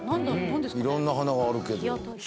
いろんな花があるけど。